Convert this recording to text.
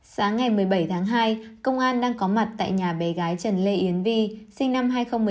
sáng ngày một mươi bảy tháng hai công an đang có mặt tại nhà bé gái trần lê yến vi sinh năm hai nghìn một mươi tám